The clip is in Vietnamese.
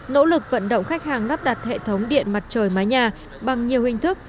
nỗ lực vận động khách hàng lắp đặt hệ thống điện mặt trời mái nhà bằng nhiều hình thức